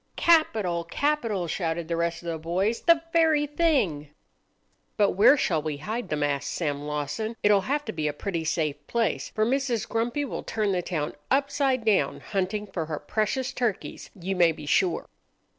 "Capital! capital!" shouted the rest of the boys "The very thing!" "But where shall we hide them?" asked Sam Lawson. "It'll have to be a pretty safe place, for Mrs. Grumpy will turn the town upside down hunting for her precious turkeys, you may be sure."